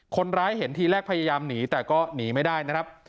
คนร้ายเห็นทีแรกพยายามหนีแต่ก็หนีไม่ได้นะครับ